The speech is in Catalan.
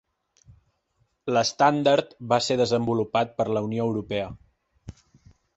L'estàndard va ser desenvolupat per la Unió Europea.